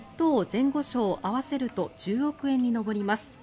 ・前後賞合わせると１０億円に上ります。